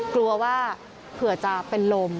กลัวว่าเผื่อจะเป็นลม